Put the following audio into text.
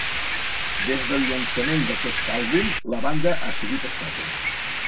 Des del llançament d'aquest àlbum, la banda ha seguit estable.